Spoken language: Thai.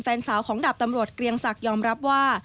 แฟนสาวของดาบตำรวจเกรียงศักดิ์ยอมรับว่า